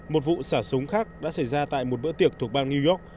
một vụ xả súng khác đã xảy ra tại một bữa tiệc thuộc bang new york